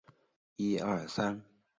纳卡遗址的历史年代为新石器时代。